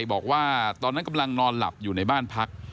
บอกว่าตอนนั้นกำลังนอนหลับอยู่ในบ้านพัก